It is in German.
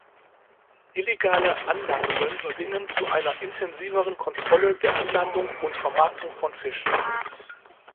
Illegale Anlandungen zwingen zu einer intensiveren Kontrolle der Anlandung und Vermarktung von Fisch.